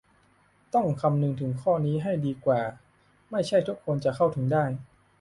ต้องคำนึงถึงข้อนี้ให้ดีว่าไม่ใช่ทุกคนจะเข้าถึงได้